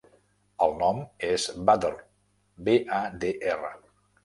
El nom és Badr: be, a, de, erra.